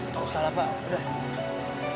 nggak usah lah pak udah